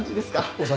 お先。